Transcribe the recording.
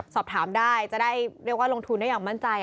สอบถามได้จะได้เรียกว่าลงทุนได้อย่างมั่นใจ